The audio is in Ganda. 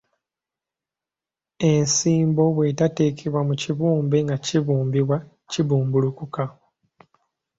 Ensibo bwe tateekebwa mu kibumbe nga kibumbibwa kibumbulukuka.